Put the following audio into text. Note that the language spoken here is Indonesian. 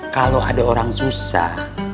kalo ada orang susah